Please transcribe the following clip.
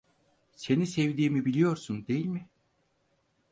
Seni sevdiğimi biliyorsun, değil mi?